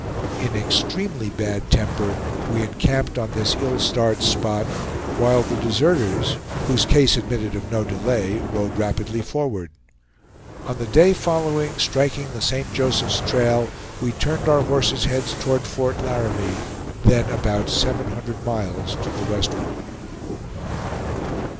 In extremely bad temper, we encamped on this ill starred spot; while the deserters, whose case admitted of no delay rode rapidly forward. On the day following, striking the St. Joseph's trail, we turned our horses' heads toward Fort Laramie, then about seven hundred miles to the westward.